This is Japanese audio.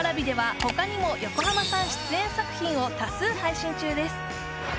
Ｐａｒａｖｉでは他にも横浜さん出演作品を多数配信中です